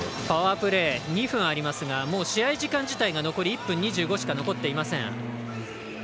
パワープレーは２分ありますが試合時間が１分２５しか残っていません。